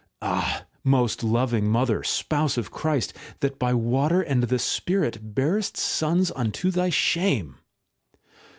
Ah ! most loving Mother, Spouse of Christ, that by water and the spirit bearest sons unto thy shame!